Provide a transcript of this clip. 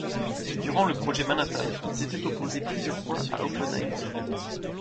Durant le Projet Manhattan, il s'était opposé plusieurs fois à Oppenheimer.